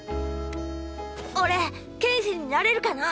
俺剣士になれるかな？